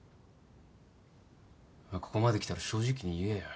ここまで来たら正直に言えよ。